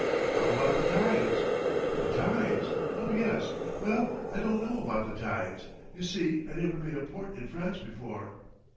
"How about the tides?" "The tides? Oh, yes! Well, I don't know about the tides. You see, I never made a port in France before."